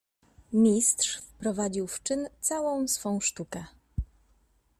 "Mistrz wprowadził w czyn całą swą sztukę."